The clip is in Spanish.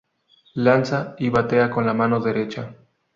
Lanza y batea con la mano derecha.